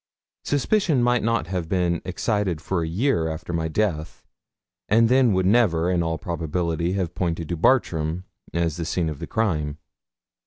Suspicion might not have been excited for a year after my death, and then would never, in all probability, have pointed to Bartram as the scene of the crime.